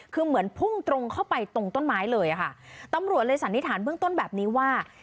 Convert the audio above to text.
คือเหมือนพุ่งตรงเข้าไปตรงต้นไม้เลยค่ะตำรวจเลยสันนิษฐานเบื้องต้นแบบนี้ว่า